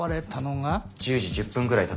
１０時１０分ぐらいだったと思います。